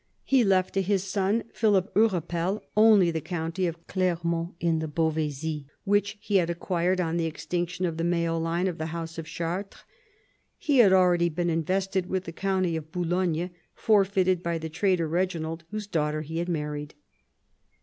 He left to his son, Philip Hurepel, only the county of Clermont in the Beauvaisis, which he had acquired on the extinction of the male line of the house of Chartres. He had already been invested with the county of Boulogne, forfeited by the traitor Reginald whose daughter he had married.